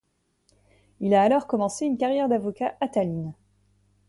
Il a alors commencé une carrière d'avocat à Tallinn.